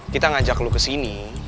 kita ngajak lu kesini